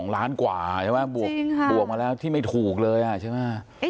๒ล้านกว่าใช่ไหมบวกมาแล้วที่ไม่ถูกเลยใช่ไหม